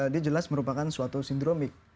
dia jelas merupakan suatu sindromik